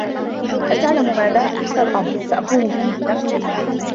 أتعلم ماذا؟ انس الأمر! سأقوم به بنفسي.